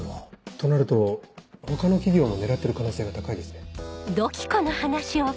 となると他の企業も狙ってる可能性が高いですね。